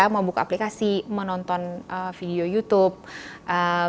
membuka aplikasi menonton video youtube